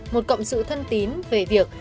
một cộng sự thân tín về việc